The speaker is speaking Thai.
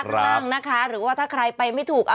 ข้างล่างนะคะหรือว่าถ้าใครไปไม่ถูก